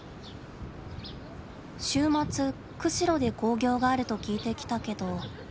週末釧路で興行があると聞いてきたけど。